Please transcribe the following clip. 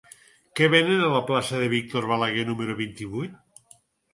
Què venen a la plaça de Víctor Balaguer número vint-i-vuit?